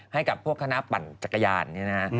ให้กับพวกคณะปั่นจักรยาน